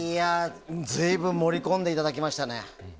随分盛り込んでいただきましたね。